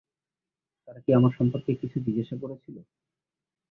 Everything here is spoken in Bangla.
তারা কি আমার সম্পর্কে কিছু জিজ্ঞাসা করেছিল?